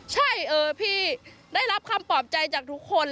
ใช่พี่ได้รับคำปลอบใจจากทุกคน